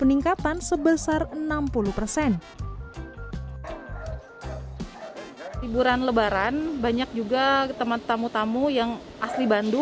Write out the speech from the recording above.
anjing ini memiliki faintnya diese